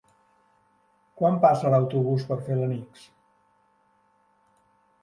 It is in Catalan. Quan passa l'autobús per Felanitx?